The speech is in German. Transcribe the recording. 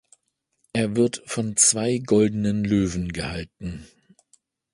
Er wird von zwei goldenen Löwen gehalten.